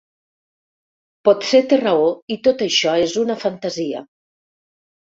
Potser té raó i tot això és una fantasia.